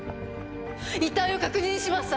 遺体を確認しました！